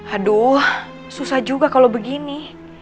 aduh susah juga kalau begini